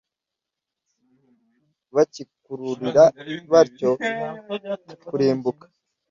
bakikururira batyo kurimbuka.